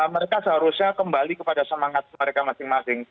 mereka seharusnya kembali kepada semangat mereka masing masing